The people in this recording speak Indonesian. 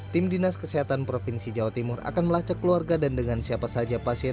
tim dinas kesehatan provinsi jawa timur akan melacak keluarga dan dengan siapa saja pasien